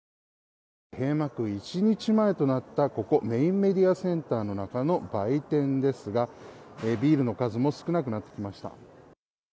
閉幕一日前となったここ、メインメディアセンターの中の売店ですけれどもビールの数も少なくなってきました。